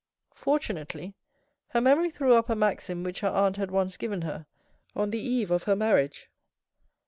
Fortunately her memory threw up a maxim which her aunt had once given her on the eve of her marriage.